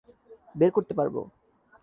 বের করতে পারব।